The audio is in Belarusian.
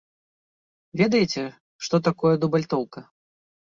Ведаеце, што такое дубальтоўка?